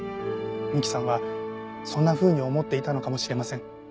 美希さんはそんなふうに思っていたのかもしれません。